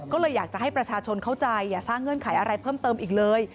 ก็เลยอยากจะให้ประชาชนเข้าใจอย่าสร้างเงื่อนไขอะไรเพิ่มเติมอีกเลย